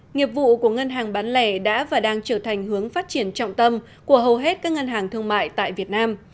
nghiệp vụ của ngân hàng bán lẻ đã và đang trở thành hướng phát triển trọng tâm của hầu hết các ngân hàng thương mại tại việt nam